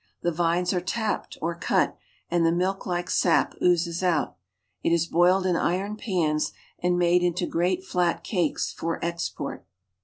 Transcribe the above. The vines are tapped or cut, and the milklike sap oozes out; it is boiled in iron pans and made into great flat cakes for export.